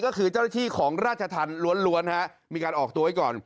ก็คือเจ้าหน้าที่ของราชธรรมล้วนฮะมีการออกตัวไว้ก่อน